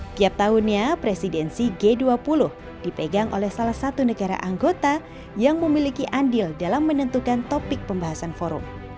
tiap tahunnya presidensi g dua puluh dipegang oleh salah satu negara anggota yang memiliki andil dalam menentukan topik pembahasan forum